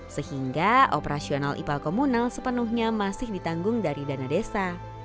sehingga operasional ipal komunal sepenuhnya masih ditanggung dari dana desa